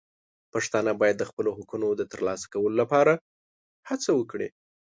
پښتانه باید د خپلو حقونو د ترلاسه کولو لپاره هڅه وکړي.